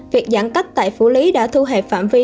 việc giãn cách tại phủ lý đã thu hẹp phạm vi